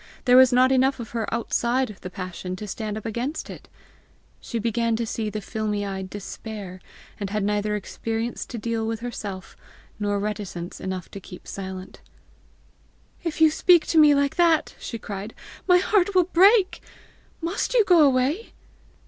there was not enough of her outside the passion to stand up against it! She began to see the filmy eyed Despair, and had neither experience to deal with herself, nor reticence enough to keep silence. "If you speak to me like that," she cried, "my heart will break! Must you go away?"